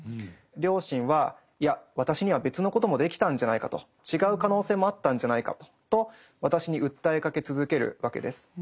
良心は「いや私には別のこともできたんじゃないか」と「違う可能性もあったんじゃないか」と私に訴えかけ続けるわけです。